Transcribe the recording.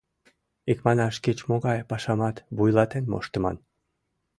— Икманаш, кеч-могай пашамат вуйлатен моштыман.